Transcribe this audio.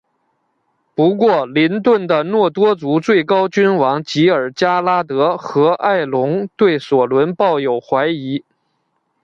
不过林顿的诺多族最高君王吉尔加拉德和爱隆对索伦抱有怀疑。